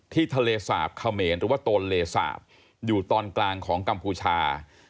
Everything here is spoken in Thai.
ทะเลสาบเขมรหรือว่าโตนเลสาปอยู่ตอนกลางของกัมพูชา